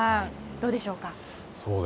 どうでしょうか。